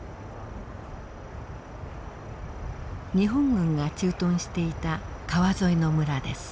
日本軍が駐屯していた川沿いの村です。